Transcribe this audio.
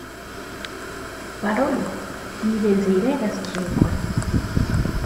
Parolu; mi deziregas ĝin koni.